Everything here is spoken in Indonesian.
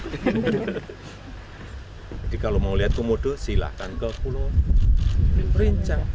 jadi kalau mau lihat komodo silahkan ke pulau rinca